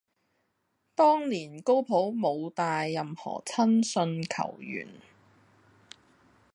當年高普冇帶任何親信球員